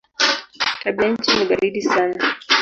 Tabianchi ni baridi sana.